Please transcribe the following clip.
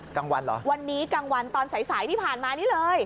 กลางวันเหรอวันนี้กลางวันตอนสายสายที่ผ่านมานี้เลย